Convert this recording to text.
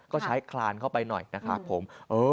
ก็ใช้คลานเข้าไปหน่อยนะครับผม